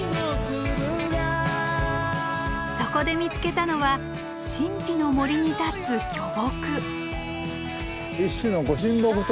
そこで見つけたのは神秘の森に立つ巨木。